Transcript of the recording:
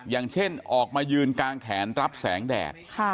อย่างเช่นออกมายืนกางแขนรับแสงแดด